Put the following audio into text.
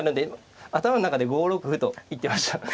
頭の中で５六歩と言ってました。